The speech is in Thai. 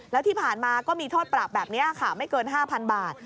แล้วที่ผ่านมาก็มีโทษปรับแบบนี้ค่ะไม่เกิน๕๐๐๐บาท